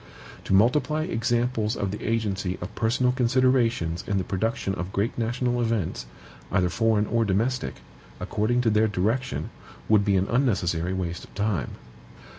To multiply examples of the agency of personal considerations in the production of great national events, either foreign or domestic, according to their direction, would be an unnecessary waste of time.